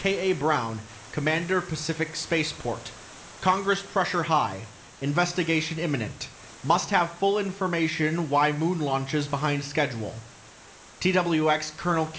K. A. BROWN COMMANDER PACIFIC SPACEPORT: CONGRESS PRESSURE HIGH INVESTIGATION IMMINENT MUST HAVE FULL INFORMATION WHY MOON LAUNCHES BEHIND SCHEDULE TWX COL.